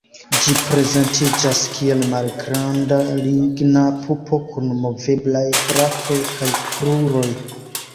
Ĝi prezentiĝas kiel malgranda ligna pupo kun moveblaj brakoj kaj kruroj.